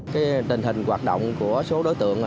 cái tình hình hoạt động của số đối tượng